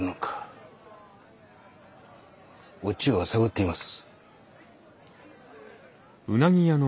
お千代が探っています。